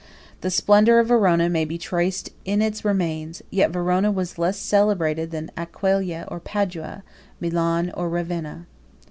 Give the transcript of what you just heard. The splendor of Verona may be traced in its remains: yet Verona was less celebrated than Aquileia or Padua, Milan or Ravenna.